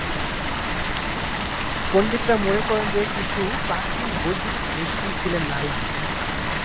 পণ্ডিতরা মনে করেন যে, কিছু প্রাচীন বৈদিক ঋষি ছিলেন নারী।